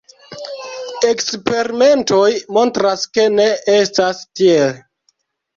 Eksperimentoj montras ke ne estas tiel.